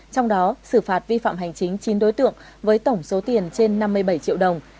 trong đó xử phạt vi phạm hành chính chín đối tượng với tổng số tiền trên năm mươi bảy triệu đồng